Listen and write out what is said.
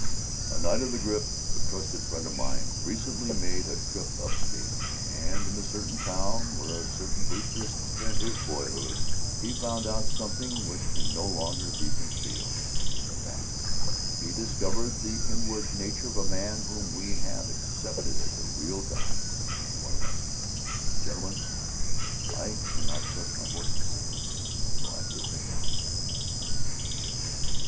"A knight of the grip, a trusted friend of mine, recently made a trip up state, and in a certain town, where a certain Booster spent his boyhood, he found out something which can no longer be concealed. In fact, he discovered the inward nature of a man whom we have accepted as a Real Guy and as one of us. Gentlemen, I cannot trust my voice to say it, so I have written it down."